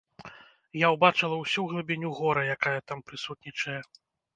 Я ўбачыла ўсю глыбіню гора, якая там прысутнічае.